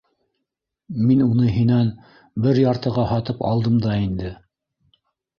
Мин уны һинән бер яртыға һатып алдым да инде?!